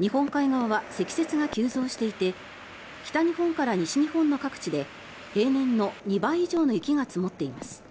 日本海側は積雪が急増していて北日本から西日本の各地で平年の２倍以上の雪が積もっています。